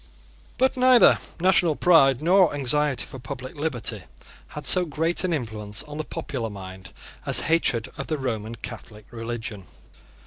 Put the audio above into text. But neither national pride nor anxiety for public liberty had so great an influence on the popular mind as hatred of the Roman Catholic religion.